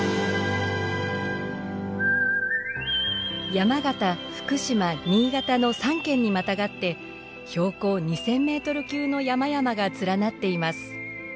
山形福島新潟の３県にまたがって標高２，０００メートル級の山々が連なっています。